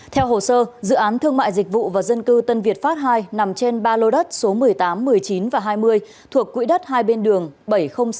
theo hồ sơ dự án thương mại dịch vụ và dân cư tân việt pháp ii nằm trên ba lô đất số một mươi tám một mươi chín và hai mươi thuộc quỹ đất hai bên đường bảy trăm linh sáu